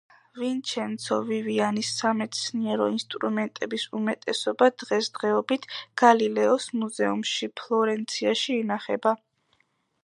ვინჩენცო ვივიანის სამეცნიერო ინსტრუმენტების უმეტესობა დღესდღეობით გალილეოს მუზეუმში, ფლორენციაში ინახება.